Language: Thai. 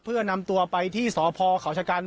เพื่อนำตัวไปที่สพเขาชะกัน